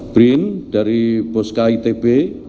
brin dari puskai tb